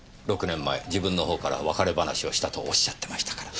６年前自分の方から別れ話をしたとおっしゃってましたから。